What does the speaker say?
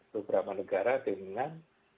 beberapa negara dengan